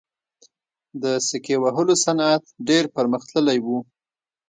د سکې وهلو صنعت ډیر پرمختللی و